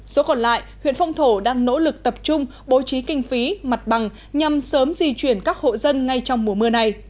số còn lại huyện phong thổ đang nỗ lực tập trung bố trí kinh phí mặt bằng nhằm sớm di chuyển các hộ dân ngay trong mùa mưa này